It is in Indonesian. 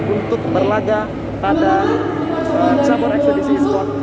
untuk berlagak pada cabur eksibisi e sport